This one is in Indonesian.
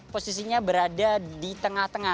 posisinya berada di tengah tengah